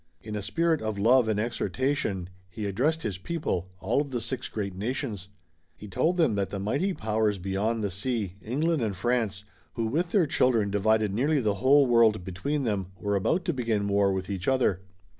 In a spirit of love and exhortation he addressed his people, all of the six great nations. He told them that the mighty powers beyond the sea, England and France, who with their children divided nearly the whole world between them, were about to begin war with each other.